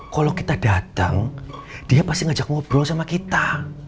kalau kita datang dia pasti ngajak ngobrol sama kita